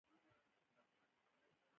اوسني اورشلیم ته بیت المقدس وایي.